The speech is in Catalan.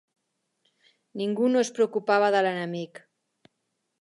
Ningú no es preocupava de l'enemic.